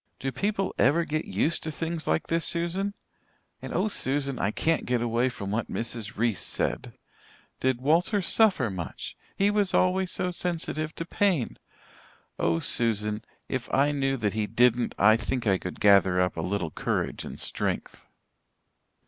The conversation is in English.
Do people ever get used to things like this, Susan? And oh, Susan, I can't get away from what Mrs. Reese said. Did Walter suffer much he was always so sensitive to pain. Oh, Susan, if I knew that he didn't I think I could gather up a little courage and strength."